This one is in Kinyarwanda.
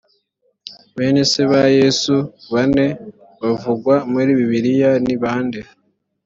bene se ba yesu bane bavugwa muri bibiliya ni bande